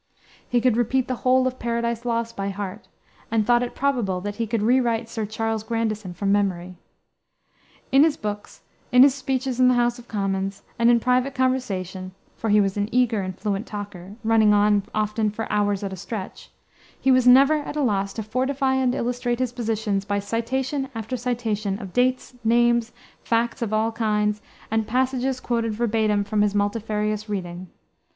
He could repeat the whole of Paradise Lost by heart, and thought it probable that he could rewrite Sir Charles Grandison from memory. In his books, in his speeches in the House of Commons, and in private conversation for he was an eager and fluent talker, running on often for hours at a stretch he was never at a loss to fortify and illustrate his positions by citation after citation of dates, names, facts of all kinds, and passages quoted verbatim from his multifarious reading.